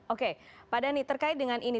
oke pak dhani terkait dengan ini